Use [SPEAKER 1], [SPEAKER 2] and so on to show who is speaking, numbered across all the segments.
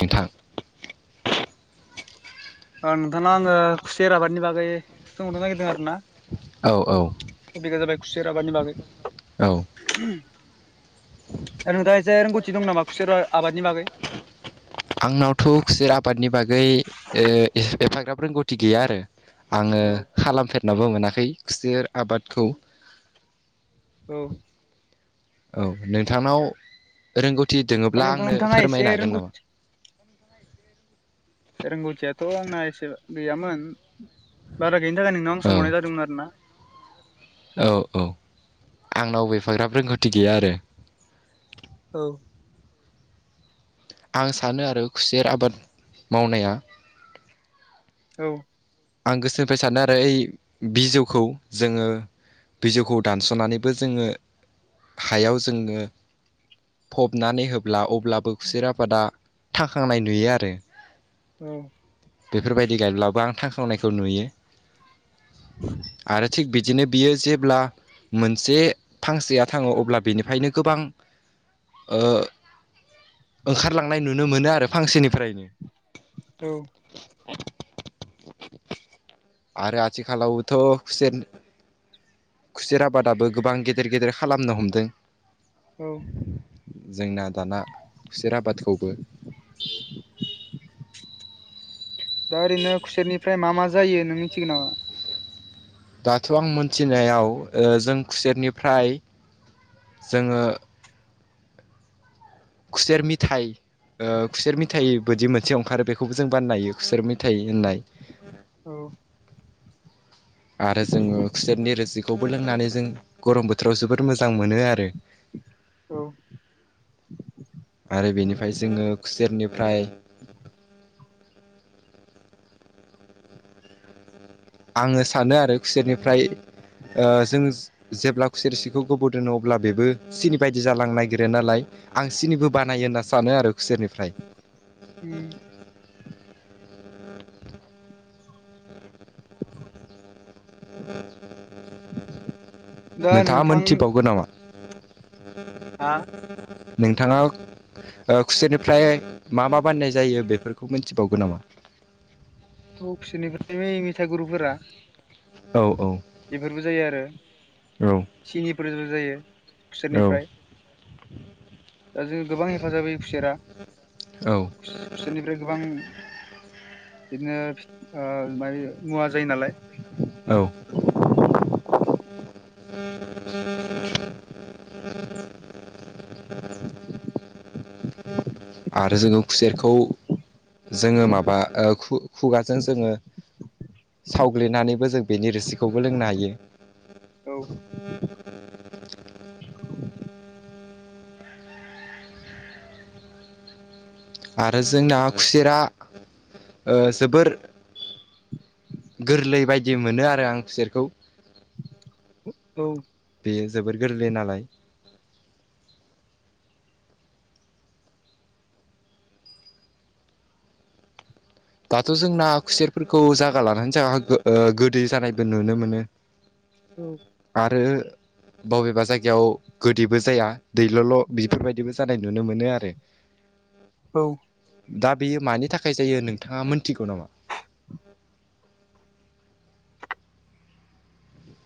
[SPEAKER 1] नोंथां
[SPEAKER 2] नोंथांनो आङो खुसेर आबादनि बागै सोंहरनो नागिरदों आरो ना
[SPEAKER 1] औ औ
[SPEAKER 2] तपिगा जाबाय खुसेर आबादनि बागै
[SPEAKER 1] औ
[SPEAKER 2] आरो नोंथाङा इसे रोंगौथि दं नामा खुसेर आ आबादनि बागै
[SPEAKER 1] आंनावथ' खुसेर आबादनि बागै ओ एफाग्राब रोंगौथि गैया आरो आङो
[SPEAKER 2] औ
[SPEAKER 1] खालामफेरनाबो मोनाखै खुसेर आबादखौ
[SPEAKER 2] औ
[SPEAKER 1] औ नोंथांनाव रोंगौथि
[SPEAKER 2] दा
[SPEAKER 1] दोङोब्ला
[SPEAKER 2] नोंथां
[SPEAKER 1] आंनो
[SPEAKER 2] नोंथाङा एसे
[SPEAKER 1] फोरमायनो हागोन
[SPEAKER 2] रोंगौ
[SPEAKER 1] नामा?
[SPEAKER 2] रोंगौथियाथ' आंना एसे गैयामोन बारा गैयिनि थाखाय आं
[SPEAKER 1] औ
[SPEAKER 2] सोंहरनाय जादोंमोन आरो ना
[SPEAKER 1] औ औ आंनाबो एफाग्राब रोंगौथि गैया आरो
[SPEAKER 2] औ
[SPEAKER 1] आं सानो आरो खुसेर आबाद मावनाया
[SPEAKER 2] औ
[SPEAKER 1] आं गोसोनिफाय सानो आरो ओइ बिजौखौ जोङो बिजौखौ दानस'नानैबो जोङो हायाव जोङो फबनानै होब्ला अब्लाबो खुसेर आबादा थांखांनाय नुयो आरो
[SPEAKER 2] औ
[SPEAKER 1] बेफोरबायदि गायब्लाबो आं थांखांनायखौ नुयो आरो थिग बिदिनो बियो जेब्ला मोनसे फांसेया थाङो अब्ला बेनिफ्रायनो गोबां ओ ओंखारलांनाय नुनो मोनो आरो फांसेनिफ्रायनो
[SPEAKER 2] औ
[SPEAKER 1] आरो आथिखालावबोथ' खुसेर खुसेर आबादाबो गोबां गेदेर गेदेर खालामनो हमदों
[SPEAKER 2] औ
[SPEAKER 1] जोंना दाना खुसेर आबादखौबो
[SPEAKER 2] दा ओरैनो खुसेरनिफ्राय मा मा जायो नों मिथिगो नामा
[SPEAKER 1] दाथ' आं मोनथिनायाव जों खुसेरनिफ्राय जोङो खुसेर मिथाइ खुसेर मिथायाइ बदि मोनसे ओंखारो बेखौ बेखौबो जों बाननायो खुसेर मेथाइ होननाय
[SPEAKER 2] औ
[SPEAKER 1] आरो जोङो खुसेरनि रोसिखौबो लोंनानै जों गरम बोथोराव जोबोर मोजां मोनो आरो
[SPEAKER 2] औ
[SPEAKER 1] आरो बेनिफ्राय जोङो खुसेरनिफ्राय आङो सानो आरो खुसेरनिफ्राय ओ जों जेब्ला खुसेर रोसिखौ गोबाव दोनो अब्ला बेबो सिनि बायदि जालांनो नागिरो नालाय आं सिनिबो बानायो होनना सानो आरो खुसरनिफ्राय
[SPEAKER 2] उम दा
[SPEAKER 1] नोंथाङा
[SPEAKER 2] नोंथांहा
[SPEAKER 1] मोनथिबावगौ नामा?
[SPEAKER 2] आ
[SPEAKER 1] नोंथाङा खुसेनिफ्राय मा मा बाननाय जायो बेफोरखौ मिथिबावगोन नामा?
[SPEAKER 2] अ खुसेरनिफ्राय मेथाइ गुरुफोरा
[SPEAKER 1] औ औ
[SPEAKER 2] बेफोरबो जायो आरो
[SPEAKER 1] औ
[SPEAKER 2] सिनिफोरबो जायो
[SPEAKER 1] औ
[SPEAKER 2] खुसेरनिफ्राय दा जों गोबां हेफाजाब होयो खुसेरा
[SPEAKER 1] औ
[SPEAKER 2] खुसेरनिफ्राय गोबां बिदिनो मुवा जायो नालाय
[SPEAKER 1] औ [inaudible] आरो जोङो खुसेरखौ जोङो माबा खुगाजों जोङो सावग्लिनानैबो जों बेनि रोसिखौबो लोंनो हायो
[SPEAKER 2] औ
[SPEAKER 1] आरो जोंना खुसेरा जोबोर गोरलै बायदि मोनो आरो आं खुसेरखौ
[SPEAKER 2] औ
[SPEAKER 1] बेयो जोबोर गोरलै नालाय दाथ' जोंना खुसेरफोरखौ जागा लानानै जागा गोदै जानायबो नुनो मोनो
[SPEAKER 2] औ
[SPEAKER 1] आरो बबेबा जायगायाव गोदैबो जाया दैल'ल' बिफोरबायदिबो जानाय नुनो मोनो आरो
[SPEAKER 2] औ
[SPEAKER 1] दा बेयो मानि थाखाय जायो नोंथाङा मोनथिगौ नामा?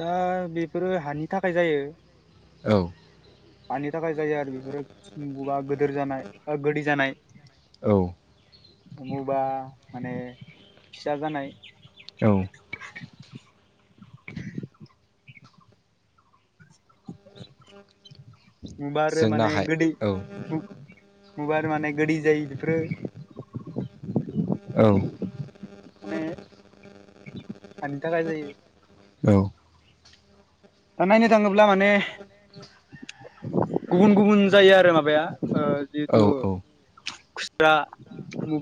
[SPEAKER 2] दा बेफोरो हानि थाखाय जायो।
[SPEAKER 1] औ
[SPEAKER 2] मानि थाखाय जायो आरो बेफोरो बा गिदोर जानाय गोदै जानाय
[SPEAKER 1] औ
[SPEAKER 2] बबा माने फिसा जानाय
[SPEAKER 1] औ
[SPEAKER 2] बारो माने
[SPEAKER 1] जोंनाहाय
[SPEAKER 2] गोदै
[SPEAKER 1] औ
[SPEAKER 2] माने गोदै जायो बेफोरो
[SPEAKER 1] औ
[SPEAKER 2] माने हानि थाखाय जायो
[SPEAKER 1] औ
[SPEAKER 2] दा नायनो थाङोब्ला माने
[SPEAKER 1] [inaudible]
[SPEAKER 2] गुबुन गुबुन जायो आरो माबाया ओ जिहेथु
[SPEAKER 1] औ
[SPEAKER 2] खुस्रा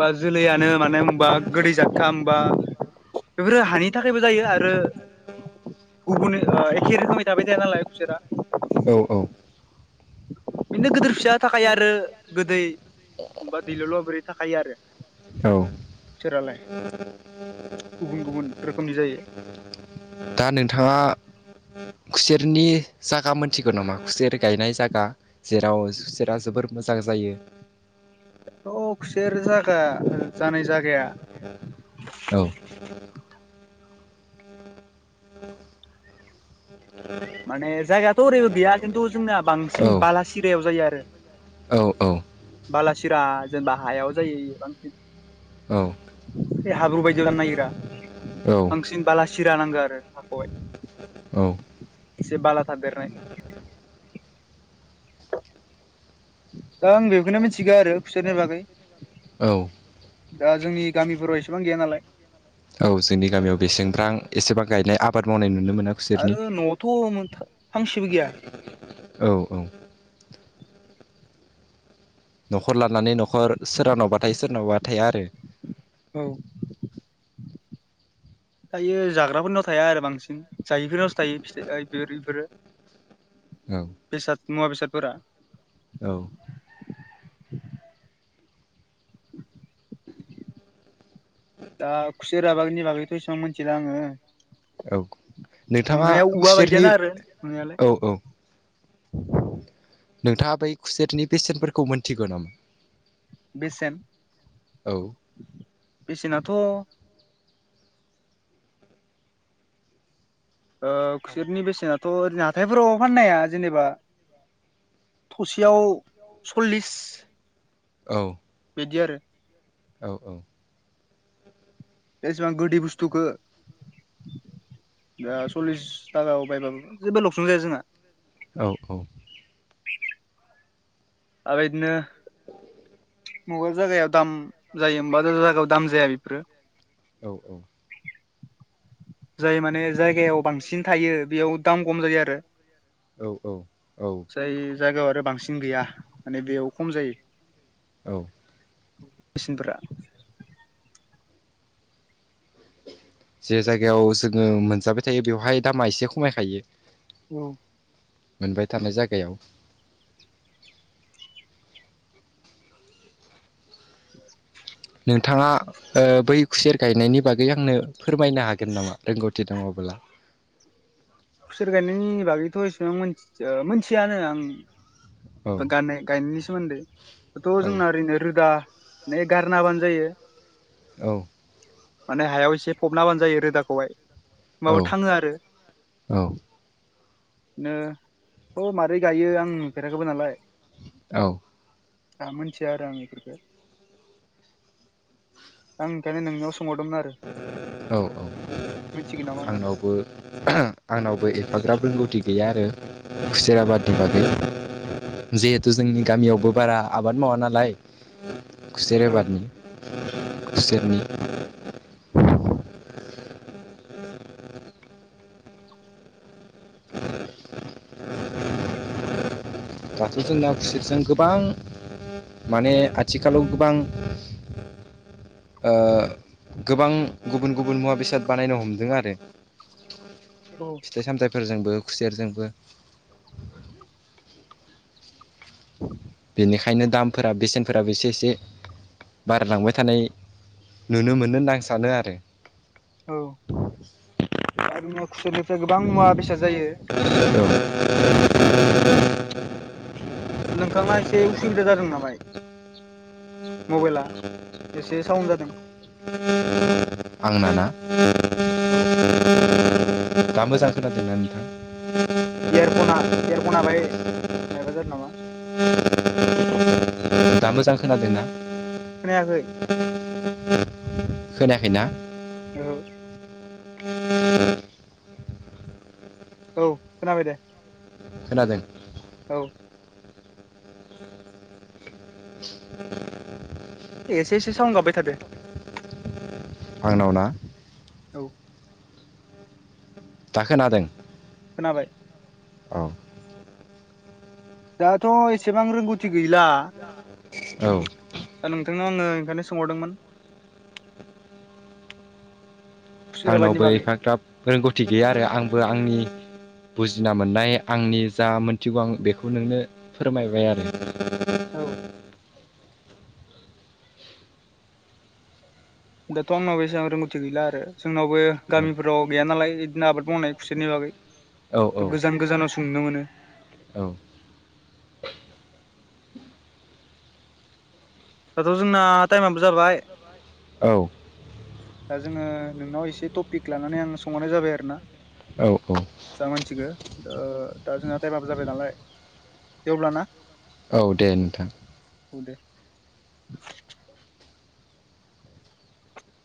[SPEAKER 2] बा जोलैयानो माने होनबा गोदै जाथथा होनबा बेफोरो हानि थाखायबो जायो आरो गुबुन ओ ए खेर खामि थाबाय थाया नालाय खुसेरा।
[SPEAKER 1] औ औ
[SPEAKER 2] बेनो गोदोर फिसा थाखाय आरो गोदै बा दैल'ल' बोरै थाखायो आरो
[SPEAKER 1] औ
[SPEAKER 2] बिसोरालाय गुबुन गुबुन रोखोमनि जायो
[SPEAKER 1] दा नोंथाङा खुसेरनि जायगा मोनथिगौ नामा खुसेर गायनाय जायगा जेराव खुसेरा जोबोर मोजां जायो
[SPEAKER 2] आव खुसेर जागा जानाय जागाया
[SPEAKER 1] औ
[SPEAKER 2] माने जायगायाथ' ओरैबो गैया खिन्थु जोंना
[SPEAKER 1] औ
[SPEAKER 2] बांसिन बालासिरायाव जायो आरो
[SPEAKER 1] औ
[SPEAKER 2] बालासिरा जेनेबा हायाव जायो बांसिन
[SPEAKER 1] औ
[SPEAKER 2] ए हाब्रु बायदियाव जानो नायगिरा बांसिन बालासिरा नांगौ आरो हाखौहाय
[SPEAKER 1] औ
[SPEAKER 2] एसे बाला थादेरनाय दा आं बेखौनो मिथिगो आरो खुसेरनि बागै
[SPEAKER 1] औ
[SPEAKER 2] दा जोंनि गामिफोराव एसेबां गैया नालाय।
[SPEAKER 1] औ जोंनि गामियाव बेसेंफ्रां एसेबां गायनाय आबाद मावनाय नुनो मोना खुसेरनि
[SPEAKER 2] आरो न'आवथ' फांसेबो गैया
[SPEAKER 1] औ औ न'खर लानानै न'खर सोरनावबा थायो सोरनावबा थाया आरो
[SPEAKER 2] औ दायो जाग्राफोरनाव थाया आरो बांसिन जायैफोरनावसो थायो फिथाइफोर बेफोरो
[SPEAKER 1] औ
[SPEAKER 2] बेसाद मुवा बेसाद फोरा
[SPEAKER 1] औ
[SPEAKER 2] दा खुसे रभागनि बागैथ' इसेबां मिथिला आङो।
[SPEAKER 1] औ नोंथाङा
[SPEAKER 2] नुनायाव औवा
[SPEAKER 1] खुसेरनि
[SPEAKER 2] बायदियानो आरो नुनायालाय
[SPEAKER 1] औ औ नोंथाङा बै खुसेरनि बेेसेन्टफोरखौ मोनथिगौ नामा?
[SPEAKER 2] बेसेन
[SPEAKER 1] औ
[SPEAKER 2] बेसेनाथ' ओ खुसेरनि बेसेनाथ' ओरैनो हाथायफोराव फाननाया जेनेबा थसेयाव सल्लिस
[SPEAKER 1] औ
[SPEAKER 2] बेदि आरो
[SPEAKER 1] औ औ
[SPEAKER 2] एसेबां गोदै बुस्थुखौ दा सल्लिस थाखायाव बायबाबो जेबो लकसुं जाया जोंहा
[SPEAKER 1] औ औ
[SPEAKER 2] आ बिदिनो मबा जायगायाव दाम जायो मबा जायगायाव दाम जाया बेफोरो
[SPEAKER 1] औ औ
[SPEAKER 2] जाय माने जायगायाव बांसिन थायो बेयाव दाम खम जायो आरो।
[SPEAKER 1] औ औ
[SPEAKER 2] जाय जायगायाव आरो बांसिन गैया माने बेयाव खम जायो।
[SPEAKER 1] औ
[SPEAKER 2] बेसिनफोरा
[SPEAKER 1] जे जायगायाव जोङो मोनजाबाय थायो बेवहाय दामा एसे खमायखायो
[SPEAKER 2] औ
[SPEAKER 1] मोनबाय थानाय जायगायाव।
[SPEAKER 2] [inaudible]
[SPEAKER 1] नोंथाङा ओ बै खुसेर गायनायनि बागै आंनो फोरमायनो हागोन नामा रोंगौथि दङब्ला?
[SPEAKER 2] खुसेर गायनायनि बागैथ' एसेबांथि मोन मोनथियानो आं
[SPEAKER 1] औ
[SPEAKER 2] गानाय गायनायनि सोमोन्दै थ'
[SPEAKER 1] औ
[SPEAKER 2] जोंना ओरैनो रोदा गारनाबानो जायो।
[SPEAKER 1] औ
[SPEAKER 2] माने हायाव एसे फबनाबानो जायो रोदाखौहाय
[SPEAKER 1] औ
[SPEAKER 2] होनबाबो थाङो आरो
[SPEAKER 1] औ
[SPEAKER 2] बिनो थ माबारै गायो आं नुफेराखैबो नालाय
[SPEAKER 1] औ
[SPEAKER 2] दा मिथिया आरो आं बेफोरफोरखौ आं ओंखायनो नोंनियाव सोंहरदोंमोन आरो।
[SPEAKER 1] औ औ
[SPEAKER 2] मिथिगोन नामा होननानै
[SPEAKER 1] आंनावबो आंनावबो एफाग्राब रोंगौथि गैया आरो खुसिर आबादनि बागै। जिहेथु जोंनि गामियावबो बारा आबाद मावा नालाय खुसेर
[SPEAKER 2] औ
[SPEAKER 1] आबादनि खुसेरनि। दाथ' जोंना खुसेरजों गोबां माने आथिखालाव गोबां ओ गोबां गुबुन गुबुन मुवा बेसाद बानायनो हमदों आरो।
[SPEAKER 2] [inaudible]
[SPEAKER 1] फिथाइ सामथाइफोरजोंबो खुसेरजोंबो बेनिखायनो दामफोरा बेसेनफोराबो एसे एसे बारलांबाय थानाय नुनो मोनो होनना आं सानो आरो।
[SPEAKER 2] औ आरो खुसरनिफ्राय गोबां मुवा बेसाद जायो
[SPEAKER 1] औ
[SPEAKER 2] नोंथांना एसे उसुबिदा जादों नामाय मबाइला एसे साउन जादों
[SPEAKER 1] ओ आं नाना
[SPEAKER 2] औ
[SPEAKER 1] दा मोजां खोनादोंना नोथां?
[SPEAKER 2] इयारफना इयारफना बाहाय मायबा जादों नामा।
[SPEAKER 1] दा मोजां खोनादों ना?
[SPEAKER 2] खोनायाखै।
[SPEAKER 1] खोनायाखैना?
[SPEAKER 2] औ औ खोनाबाय दे।
[SPEAKER 1] खोनादों।
[SPEAKER 2] औ एसे एसे साउन गाबबाय थादों।
[SPEAKER 1] आंनाव ना?
[SPEAKER 2] औ
[SPEAKER 1] दा खोनादों?
[SPEAKER 2] खोनाबाय।
[SPEAKER 1] औ
[SPEAKER 2] दाथ' एसेबां रोंगौथि गैला।
[SPEAKER 1] औ
[SPEAKER 2] दा नोंथांनाव आङो ओंखायनो सोंहरदोंमोन। [inaudible] आबादनि
[SPEAKER 1] आंनावबो
[SPEAKER 2] बागै
[SPEAKER 1] एफाग्राब रोंगौथि गैया आरो आंबो आंनि बुजिना मोननाय आंनि जा मोनथिगौ आं बेखौ नोंनो फोरमायबाय आरो [inaudible]
[SPEAKER 2] औ दाथ' आंनाव बेसेबां रोंगौथि गैला आरो जोंनावबो गामिफोराव गैया नालाय बिदिनो आबाद मावनाय खुसेरनि बागै
[SPEAKER 1] औ
[SPEAKER 2] थ' गोजान गोजानाव सोंनो मोनो
[SPEAKER 1] औ
[SPEAKER 2] दाथ' जोंना टाइमाबो जाबाय।
[SPEAKER 1] औ
[SPEAKER 2] दा जोङो नोंनाव एसे टपिक लानानै आं सोंहरनाय जाबाय आरोना।
[SPEAKER 1] औ औ
[SPEAKER 2] जों मानसिगो दा जोंना दायबाबो जाबाय नालाय। दे अब्ला ना।
[SPEAKER 1] औ दे नोंथां।
[SPEAKER 2] दो [inaudible]